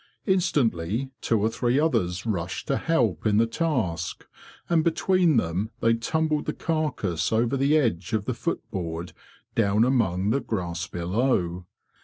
Instantly two or three others rushed to help in the task, and between them they tumbled the carcass over the edge of the foot board down among the grass below.